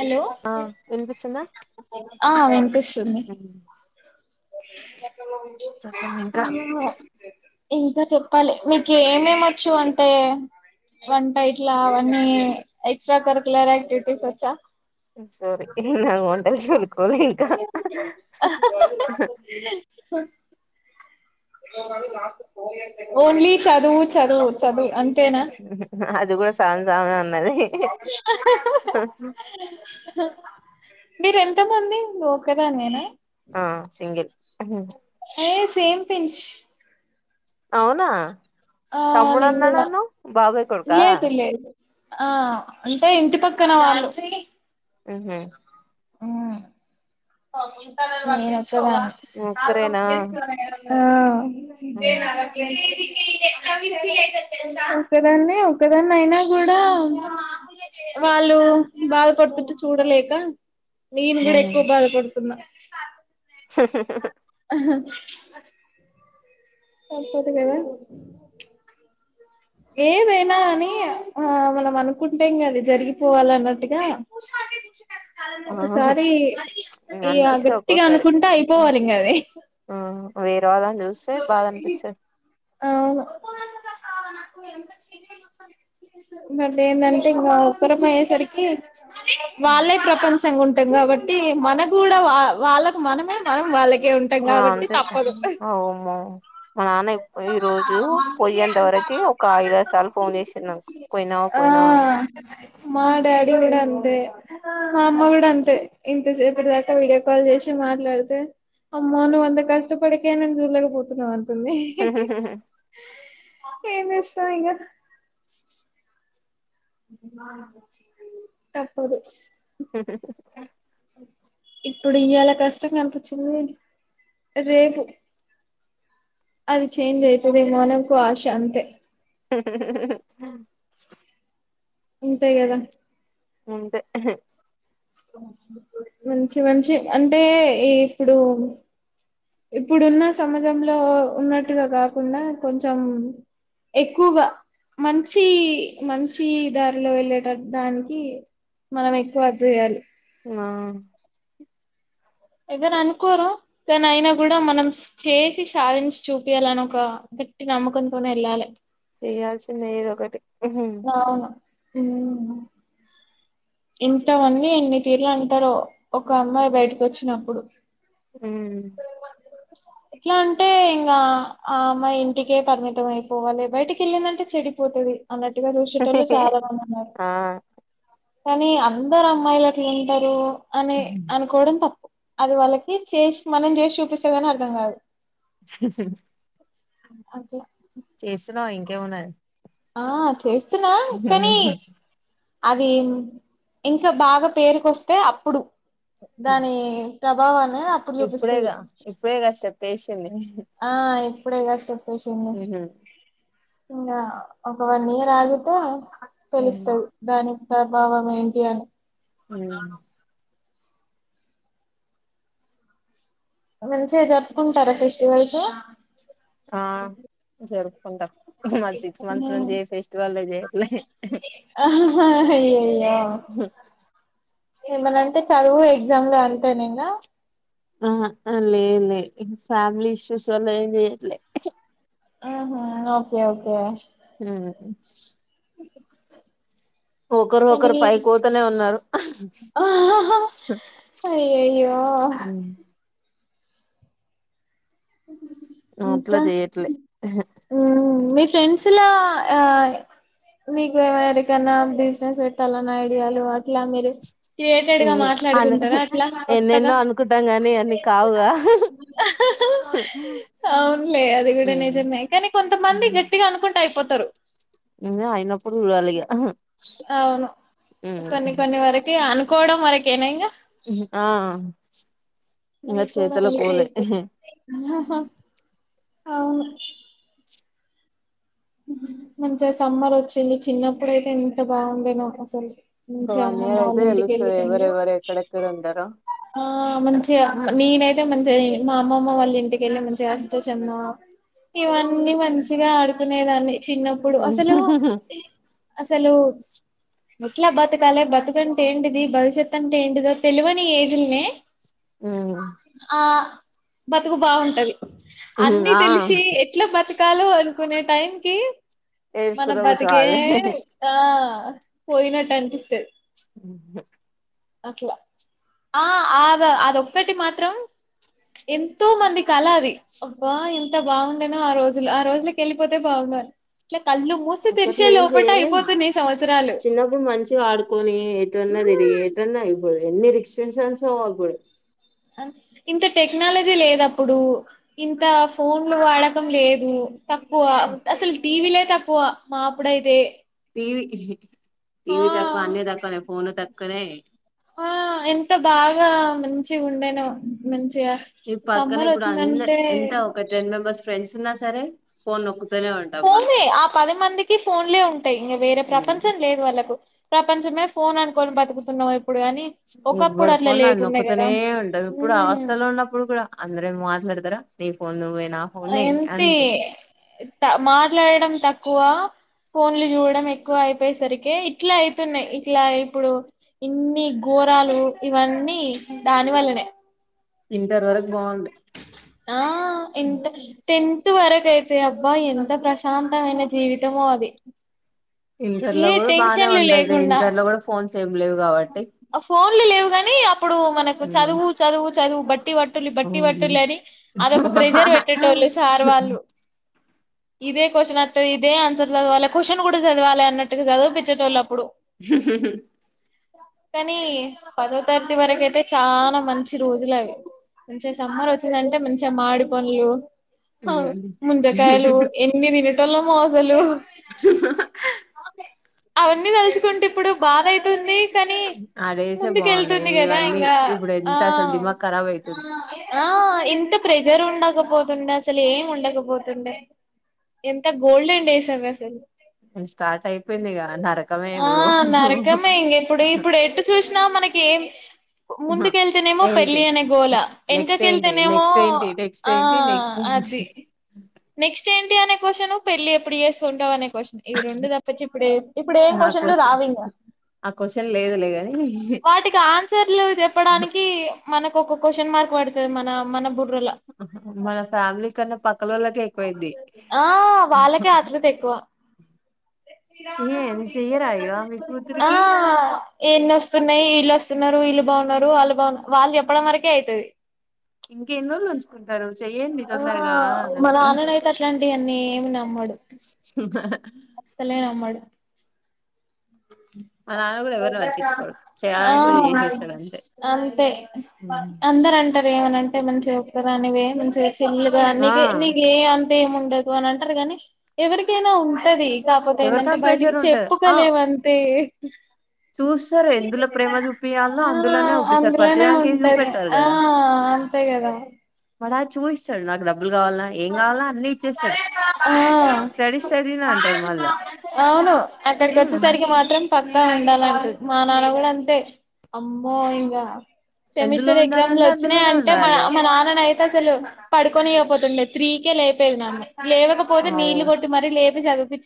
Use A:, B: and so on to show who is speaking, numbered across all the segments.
A: Hello
B: ఆ వినిపిస్తుందా
A: ఆ వినిపిస్త్ పిస్సుంది
B: చెప్పండి
A: ఆ
B: ఇంకా
A: ఇంకా చెప్పాలి మీకు ఏమేమోచ్చు అంటే వంట ఇట్లా అవన్నీ ఎక్స్ట్రా కరికులర్ యాక్టివిటీస్ వచ్చా
B: సారీ నాకు వంటలు చదువుకోలే ఇంకా
A: ఓన్లీ చదువు చదువు చదువు అం తేనా
B: అది కూడా సామి సామే ఉన్నది
A: మీరు ఎంతమంది ను ఒక్కదానివేన
B: ఆ సింగిల్
A: ఏ సేమ్ పించ్
B: అవునా
A: ఆ నేను కూడా
B: తమ్ముడున్నన్నాడవ్ బాబై కొడుక
A: లేదు లేదు ఆ అంటే ఇంటి పక్కన వాళ్ళు
B: హ్మ్మ్ హ్మ్మ్
A: మ్మ్ ఒక్కదాన్
B: ఒక్కరేనా
A: ఆ సదే నావక ఒక్కదాన్నే ఒక్కదాన్ని అయినా కూడా వాళ్ళు బాధపడుతుంటే చూడలేక నేను గూడ ఎక్కువ బాధపడుతున్నా ఆ సరిపోది కదా ఏదైనా అని ఆ మనం అనుకుంటేం కద జరిగిపోవాల అన్నట్టుగా ఒకసారి ఇ
B: అనిపిస్తది
A: గట్టిగా
B: ఒక్కోసారి
A: అనుకుంటా అయిపోవాలి ఇంకాది
B: వే తవాదని చూస్తే బాధ అనిపిస్తే
A: అవును ఇంకోట్ ఎందంటే ఇంకా ఒక్కరమే అయ్యేసరికి వాళ్ళే ప్రపంచంగా వుం కాబట్టి మన కూడా వా వాళ్ళకు మనమే మనం వాళ్ళకి
B: ఆ అంత హాని ఈ రోజు పోయేంత వరకు ఒక ఐద సార్లు ఫోన్ చేసి నాకు పోయినావా
A: ఆ
B: పోయినావా అని
A: మా డాడీ కూడా అంతే మా అమ్మ కూడా అంతే ఇంతసేపటి దాకా వీడియో కాల్ చేసి మాట్లాడితే అమ్మా నువ్ అంత కష్టపడికే నేను చూడలేకపోతున్నావు తుంది ఏం చేస్తాం ఇగ తప్పదు ఇప్పుడు ఈయాల కష్టగా కనిపించింది రేపు అది చేేంజ్ అయితదేమోన ఒక ఆశ అంతే ఉంటాయి కదా
B: ఉంటే
A: మంచి మంచి అంటే ఈ ఇప్పుడు ఇప్పుడున్న సమాజంలో ఉన్నట్టుగా కాకుండా కొంచం ఎక్కువగా మంచీ మంచీ దారిలో వెళ్ళేట దానికి మనం ఎక్కువ అద్ చేయాలి
B: ఆ
A: ఎవర్ అనుకోరు కాని అయినా గుడా మనం చేసి సాధించి చూపియాలన్ ఒక గట్టి నమ్మకంతోనే ఏళ్లల
B: చేయాల్సిందే ఏదో ఒకటి ఉమ్
A: అవును ఆ ఎంత మంది ఎన్ని తీర్ల అంటరో ఒక అమ్మాయి బయటకు వచ్చినప్పుడు ఎట్లా అంటే ఇంకా ఆ అమ్మాయి ఇంటికే పరిమితం అయిపోవాలి బయటికి వెళ్ళిందంటే చెడిపోతుది అన్నట్టుగా చూసేటోల్లు చాలా మంది ఉన్నారు
B: ఆ
A: కానీ అందర్ అమ్మాయిలు అట్లా ఉండరూ అని అనుకోవడం తప్పు అది వాళ్ళకి చేసి మనం చేసి చూపిస్తే కాని అర్థం కాదు అకే
B: చేస్తున్నావు ఇంకేమున్నది
A: ఆ చేస్ తు నా పెనీ అది ఇంకా బాగా పేరుకొస్తే అప్పుడు దాని ప్రభావ
B: ఇప్పుడేగా ఇప్పుడే స్టెప్పేసింది
A: ఆ- ఇప్పుడే గా స్టెప్ ఏసింది
B: ఉమ్
A: ఇకా ఒక వన్ ఇయర్ ఆగితే తెలుస్తావు దాని ప్రభావం ఏంటి అని
B: ఉమ్
A: మంచిగా జపుకుంటారా ఫెస్టివల్స్
B: ఆ, జరుకుంట మాది సిక్స్ మంత్స్ నుంచి ఏ ఫెస్టివళ్ళు జేయట్లే.
A: హ అయ్యయ్ ఆ ఏమన్నన్టే చదువు, ఎగ్జామ్లు అంతేన ఇంగా?
B: ఆ అ లే లెద్, ఫ్యామిలీ ఇష్యూస్ వల్ల ఎంజేయట్లే.
A: ఆహ, ఓకే ఓకే.
B: హు
A: కానీ
B: ఒకరోకరు పైకి పోతనే ఉన్నారు.
A: అయ్యయ్యో
B: అట్లా
A: అచ్చా,
B: చేయట్లే
A: ఉమ్ మీక్ ఫ్రెండ్స్లా ఆ నీకు, ఎవరికన్నా బిజినెస్ పెట్టాలన్న ఐడియాలు అట్ అట్లా మీరు క్రియేటడ్గా
B: అను
A: మాట్లాడుకుంటరా అట్లా కొత్తగా?
B: ఎన్నెన్నో అనుకుంటాం గాని అన్ని కావుగా
A: అవునులే, అది కూడ నిజమే. కానీ కొంతమంది గట్టిగా అనుకుంట్ అయిపొత్తరు.
B: ముందే అయినప్పుడు జూడాలిగా
A: అవును
B: హ్మ్ ఉమ్.
A: కోడం వరకేనా ఇంగ?
B: హ్మ్ ఆ ఇంగ
A: అవి కూడా
B: చేతులకు
A: మనకే
B: పోలే
A: అయిపోతయి అవును. మంచిగ సమ్మర్ ఒచ్చింది చిన్నప్పుడయితే ఎంత బావుండెనో అసలు.
B: ఒక
A: మంచిగా
B: వన్
A: అమ్మమ్మ
B: ఇయర్
A: వాళ్ళ
B: అయితే తెలుస్తది,
A: ఇంటికెళ్ళి
B: ఎవరేవరు ఎక్కడెక్కడ ఉంటరో?
A: ఆ మంచిగ నేనైతే మంచిగ మా అమ్మమ్మ వాళ్ళ ఇంటికెళ్ళి మంచిగా అష్ట చెమ్మ ఇవన్ న్ని మంచిగా ఆడుక్ నేదాన్ని చిన్నప్పుడు అసలూ అస అసలు ఎట్ల బతకాలి బతకంటే ఏంటిది? భవిష్యత్ అంటే ఏంటిదో తెలివని ఎజిల్నే
B: ఉమ్
A: ఆ బతుకు బావున్టది. అన్నీ
B: ఆ
A: తెలిసి ఎట్లా బతక్ కాలో అర్ కొనే టైమ్కి మన
B: ఏడ్చుకుంట
A: బతికే
B: కూర్చోవాలి
A: ఆ అ పోయినట్టు అనిపిస్తది.
B: ఉ హు
A: అట్లా ఆ అ అదొక్కటి మాత్రం ఎంతో మంది కళ అది, అబ్బా ఎంత బావుండెనో ఆ రోజులు. ఆ రోజులకి ఎల్ళ్ళిపోతే బాగుండు అన్
B: అప్పట్లో ఏం చెయలేము,
A: సంవత్సరాలు
B: చిన్నప్పుడు మంచిగా ఆడుకొని ఎటన్నా తిరిగి
A: మ్మ్.
B: ఎటన్నా ప్పుడు ఎన్ని రిస్ట్రిక్షన్సో అపుడు?
A: ఇంత టెక్నాలజీ లేదు అప్పుడు ఇంత ఫోన్లు వాడకం లేదు తక్కువ అసలు టీవీలే తక్కువ మా అప్పుడయితే
B: దేవి హు టీవ తక్కువె అన్ని తక్కువనే ఫోన్ తక్కువ కదే
A: ఆ ఎంత బాగా మంచిగా ఉండేనో మంచి
B: ఈ పక్కన ఇప్పుడు అన్ ఎంత ఒక్క టెన్ మెంబర్స్ ఫ్రెండ్స్ సరే ఫోన్ ఒకు
A: ఫోనే ఆ పది మందికి ఫోన్లే ఉంటాయి ఇంగా వేరే ప్రపంచం లేదు వాళ్ళకు ప్రపంచమే ఫోన్ అనుకోని బతుకుతున్నాం ఇ
B: ఇవ్వడ పోనా
A: కదా
B: నొక్కుతూనే ఉంటాది ఇప్పుడు
A: మ్మ్
B: హాస్టల్లో లో ఉన్నప్పుడు కూడా అందరే మా నదారా న ఫోన్ నా ఫోన్ నేనే
A: ఎంత
B: అంతే
A: మాట్లాడడం తక్వ కుఆ ఫోన్లు చూడం ఎక్కువ అయిపోయే సరికి కే ఇట్లా అయితున్నాయి్ ఇట్లా ఇప్పుడు ఇన్ని ఘోరాలు ఇవన్నీ దాని వల్లనే
B: ఇంటర్ వరకు బాగుంది
A: ఆ ఎంత టెన్త్ వరక అయితే అబ్బా ఎంత ప్రశాంతమైన జీవితమో అది
B: ఇంటర్ లో
A: ఏ
B: కూడా బాగానే
A: టెన్షన్లు
B: ఉండది
A: లేకుండా
B: ఇంటర్ లో కూడా ఫోన్స్ ఏం లేవు కాబట్టి
A: ఫోన్లు లేవు కాని అప్పుడు మనకు
B: మ్మ్
A: చదువు చదువు చదువు బట్టి ఒకటి టులు బట్టి
B: అవును
A: బట్టులు అని అదొక ప్రెజర్ పెట్టేట వాళ్ళు సార్ వాళ్ళు ఇదే క్వశ్చన్ అస్త ఇదే ఆన్సర్ చదవాలి క్వ్చన్ కూడా చదవాలి అన్నట్టు చదివపించేట వాళ్ళు అప్పుడు కానీ పదో తరతి వరక అయితే చాలా మంచి రోజులు అవి మంచిగా సమ్మర్ వచ్చిందంటే మంచిగా మాడి పనులు
B: ఉమ్
A: ముందకాయలు ఎన్ని దిన లో మోజలు అవన్నీ తలుుకుంటే ఇప్పుడు బాధ అయి కానీ
B: ఆ డేసే
A: ముందుక
B: బాగున్నాయి
A: వెళ్తుంది కదా
B: ఇవన్నీ
A: ఇంకా
B: ఇప్పుడు ఎంత అసలు దిమాగ్ ఖరాబ్ అయితుంది
A: ఇంత ప్రెజర్ ఉ ఉండకపోతుండే అసలు ఏం ఉండకపోతుండే ఎంత గోల్డెన్ డేస్ అంది అసలు
B: ఇ స్టార్ట్ అయిపోయిందిక నరకమే గుడు
A: మ ఇం ఇప్పుడు ఇప్పుడు ఎటు చూసినా మనకి ముందుకెళ్తేనేమో
B: ఏంటి
A: పెళ్ళి అనే గోళ
B: నెక్స్ట్ ఏంటి
A: ఎనకకెళ్తేనేమో
B: నెక్స్ట్ ఏంటి నెక్స్ట్
A: ఆ
B: ఏంటి నెక్స్ట్
A: అది
B: ఏంటి
A: నెక్స్ట్ ఏంటి అనే పెళ్లి ఎప్పుడు ఏ సంటవ అనే క్వశ్చన్ ఇవి రెండు తప్పచ్చి ఇప్పుడే ఇప్పుడు ఏం
B: ఆ
A: క్వశ్చన్లు
B: క్వశ్చన్
A: రావింగ
B: ఆ క్వశ్చన్ లేదులే గాని
A: వాటికి ఆన్సర్లు చెప్పడానికి మనకు ఒక క్వశ్చన్ మార్క్ పడుతుంది మన మన బు
B: మన ఫ్యామిలీ కన్నా పక్కనోళ్ళకే ఎక్కువయ్యిది.
A: ఆ వాళ్ళకే ఆతృత ఎక్కువ
B: కే
A: ఆ ఎన్ని వస్తున్నాయి, వీళ్ళు వస్తున్నారు, వీళ్ళు బాగున్నారు, వాళ్ళు బాగున్నారు, వాళ్ళు చెప్పడం వరకే అయుతది.
B: ఇంకేన్ని రోజులు ఉంచుకుంటారు చెయ్యండి
A: ఆ
B: తొందరగా ఆ అంటరు.
A: ఏం అమ్మడు అస్సలే నమ్మడు.
B: మా నాన్న కూడా ఎవరిని పట్టించుకోడు
A: ఆ
B: చేయాలనుకుంటే చేసేస్తాడు అంతే
A: అంతే అందర అంటరు. ఏమన్నా అంటే మంచిగ ఒక్కదానివే మంచిగ చెండ్లుగ
B: ఆ
A: నీకే నీక్ లే అంత ఏముంది. రేప్ ఏమన్నా అంటారు గానీ ఎవరికైనా ఉంటది కాకపోతే ఏందంటే
B: ఎవరికైనా
A: బయటికి
B: ప్రెషర్ ఉంటది ఆ
A: చెప్పుకోలేవంత ఏయ్
B: చూస్తారు ఎందులో ప్రేమ చూపియాలనో
A: ఆ
B: అందులోనే చూపిస్తారు
A: అందులోనే
B: ప్రతిదానికి ఏం
A: ఉంటది
B: చూపెట్టారు
A: ఆ
B: కదా.
A: అంతే కదా
B: మా నాన్న చూయిస్తాడు నాకు డబ్బులు కావాలన్నా ఏం
A: ఆ
B: కావాలన్నా అన్ని ఇచ్చేస్తాడు స్టడీ స్టడీనే అంటాడు మళ్ళా
A: అవును అక్కడికి
B: ఉమ్,
A: వచ్చేసరికి మాత్రం పక్కా ఉండాలంటది మా నాన్న కూడా అంతే అమ్మో ఇంకా
B: ఎందులో
A: సెమిస్టర్ ఎగ్జామ్లు
B: ఉండాలంటే
A: వచ్చినాయి
B: అందులోనే
A: అంటే మన
B: ఉండాలి
A: మా నాన్నని అయితే అసలు పడుకొనియ్వకపోతుండే త్రీ కే లేపేది నన్నే లేవకపోతే
B: అవు
A: నీళ్లు కొట్టి మరి లేపి చదువు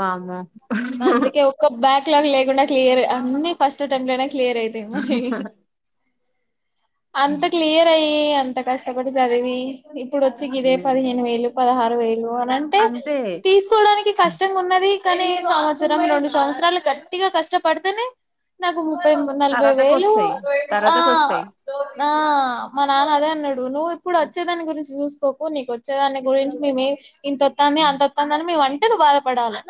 B: వామ్మో
A: అందుకే ఒక బ్యాగ్ క్లాగ్ లేకుండా క్లియర్ అన్నీ ఫస్ట్ అటెంప్ట్ లోనే క్లియర్ అయితే మనే [unintelligible] అంత క్లియర్ అయ్యే అంత ఇంత కష్టపడి చదివి ఇప్పుడు వచ్చి గిదే పదిహేను వేలు, పదహారు [inaudible] అంటే
B: అంతే
A: తీసుకోవడానికి కష్టంగున్నది. కానీ సంవత్సరం రెండు సంవత్సరాలు గట్టిగా కష్టపడితేనే నాకు ముప్పై నలభై
B: తర్వాతకు
A: వేలు
B: వస్తాయి
A: ఆ
B: తర్వాతకు వస్తాయి
A: ఆ మా నాన్న అదే అన్నాడు నువ్వు ఇప్పుడు వ వచ్చేదాని గురించి చూసుకోకు నీకు వచ్చే వాన్ని గురించి మేమే ఇంతొస్తుంది అంతొస్తుందినివంటంటి ఏ బాధ పడాలి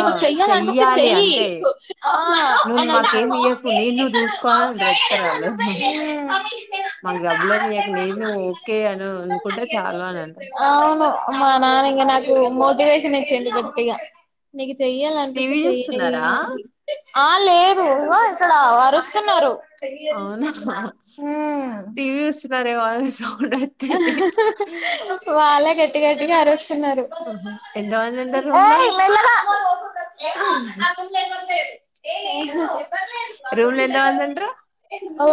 B: ఆ
A: చెయ కంటపిస్తే
B: చెయ్యాలి
A: చెయ
B: అంతే
A: ఆ
B: నువ్వు మాకేమి ఇయ్యకు నేను నువ్వు చూసుకోవాలని చెప్తారు వాళ్ళు మాకు డబ్బులేమి ఇయ్యకు నేను నువ్వు ఓకే అనుకుంటే చాలా అనంట
A: అవును మా నాన్న నాకు మోటివేషన్ ఇచ్చింది కొగా నకు చెయ్యాల అనిపిస్తే
B: టీవీ చూస్తున్నారా
A: చెయ్య అ ఆ లేదు ఇక్కడ వరుస్తున్నారు
B: అవునా
A: ఓ ఓ
B: సవ
A: సవాాల కది ట్
B: ఎంత మంది ఉంటారు
A: ఏ
B: రూమ్ లా
A: మ ఏ
B: రూమ్ లో ఎంత మంది ఉంటారు
A: ఓ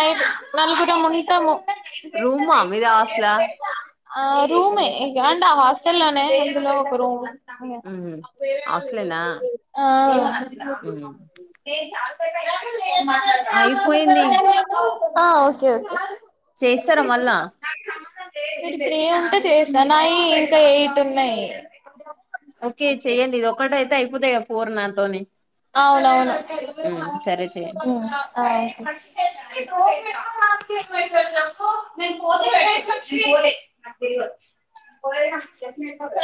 A: అయి నలుగుర ముహతాము
B: రూమ్మా మీద ఆస్లే
A: ఆ రూమ్ంట హాస్టల్లో లోనే ఇందులో ఒక రూమ్ వో
B: హాస్టలేనా అయిపోయింది
A: ఆ ఓకే ఓకే
B: చేస్తారా మళ్ళా
A: ఏ ఉంటే చేసిననాయి ఇంకా ఏయిట్ ఉన్నాయి
B: ఓకే చెయండి ఇది ఒకక్కట అయితే అయిపోతా ఫూర్ నాతోని
A: అవునవును పో
B: ఉమ్, సరే చెయ్యండి
A: పో మ తే పోయిరా చెక్కిన అయిపో